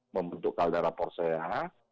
membentuk kaldera porseha